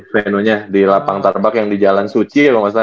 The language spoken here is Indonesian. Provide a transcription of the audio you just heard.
venue nya di lapang tarbak yang di jalan suci kalo gak salah ya